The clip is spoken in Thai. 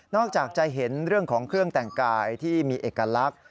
อกจากจะเห็นเรื่องของเครื่องแต่งกายที่มีเอกลักษณ์